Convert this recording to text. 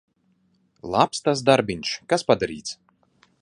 Labs tas darbiņš, kas padarīts.